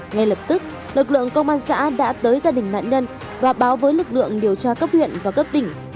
ngay lập tức lực lượng công an xã đã tới gia đình nạn nhân và báo với lực lượng điều tra cấp huyện và cấp tỉnh